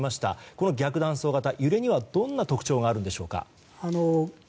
この逆断層型揺れにはどんな特徴があるんでしょうか。